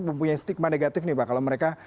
mempunyai stigma negatif nih pak kalau mereka